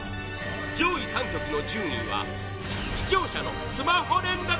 上位３曲の順位は、視聴者のスマホ連打